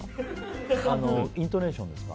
イントネーションですか？